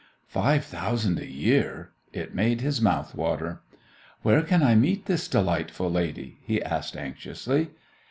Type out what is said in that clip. Five thousand a year! It made his mouth water. "Where can I meet this delightful lady?" he asked anxiously.